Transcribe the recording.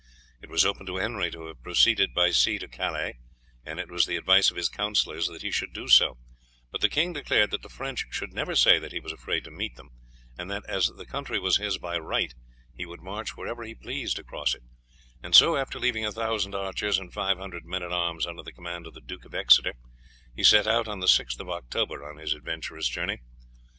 It was open to Henry to have proceeded by sea to Calais, and it was the advice of his counsellors that he should do so; but the king declared that the French should never say that he was afraid to meet them, and that as the country was his by right he would march wherever he pleased across it; and so, after leaving a thousand archers and five hundred men at arms under the command of the Duke of Exeter, he set out on the 6th of October on his adventurous journey.